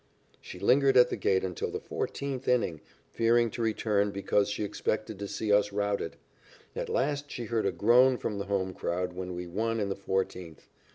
She lingered at the gate until the fourteenth inning, fearing to return because she expected to see us routed. At last she heard a groan from the home crowd when we won in the fourteenth.